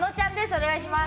お願いします！